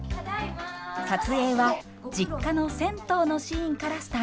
撮影は実家の銭湯のシーンからスタートしました。